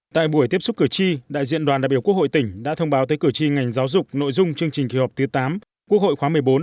tại buổi tiếp xúc cử tri đại diện đoàn đại biểu quốc hội tỉnh đã thông báo tới cử tri ngành giáo dục nội dung chương trình kỳ họp thứ tám quốc hội khóa một mươi bốn